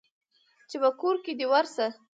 چې په کور دى ورشه.